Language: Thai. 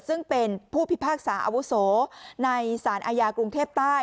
ซึ่งเป็นผู้พิพากษาอาวุโสในสารอาญากรุงเทพใต้